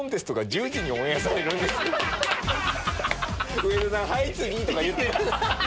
上田さん「はい次！」とか言ってる。